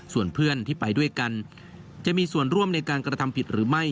ส่วนเพื่อนที่ไปด้วยกันจะมีส่วนร่วมในการกระทำผิดหรือไม่